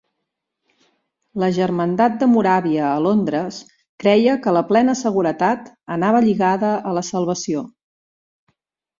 La Germandat de Moràvia, a Londres, creia que la plena seguretat anava lligada a la salvació.